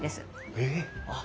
えっ。